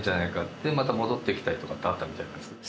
でまた戻ってきたりとかってあったみたいなんですけど。